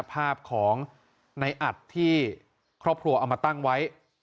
ส่งมาขอความช่วยเหลือจากเพื่อนครับ